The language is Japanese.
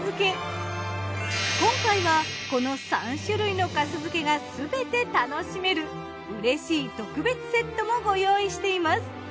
今回はこの３種類の粕漬けがすべて楽しめるうれしい特別セットもご用意しています。